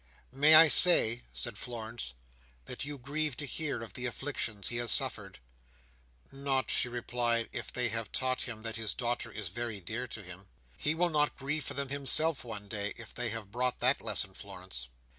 "May I say," said Florence, "that you grieved to hear of the afflictions he has suffered?" "Not," she replied, "if they have taught him that his daughter is very dear to him. He will not grieve for them himself, one day, if they have brought that lesson, Florence."